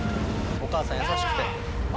お母さん優しくて。